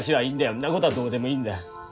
そんなことはどうでもいいんだよ。